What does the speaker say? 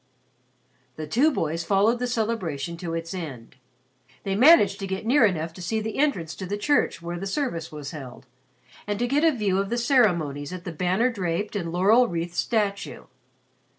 The two boys followed the celebration to its end. They managed to get near enough to see the entrance to the church where the service was held and to get a view of the ceremonies at the banner draped and laurel wreathed statue.